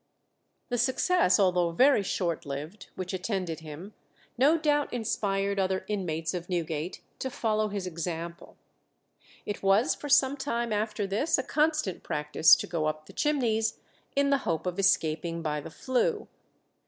The success, although very short lived, which attended him, no doubt inspired other inmates of Newgate to follow his example. It was for some time after this a constant practice to go up the chimneys in the hopes of escaping by the flue.